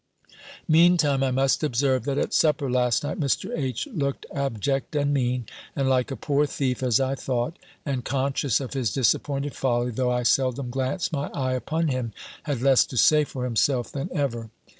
Meantime I must observe, that at supper last night, Mr. H. looked abject and mean, and like a poor thief, as I thought, and conscious of his disappointed folly (though I seldom glanced my eye upon him), had less to say for himself than ever.